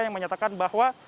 yang menyatakan bahwa